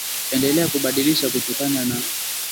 endelea kubadilisha kutokana na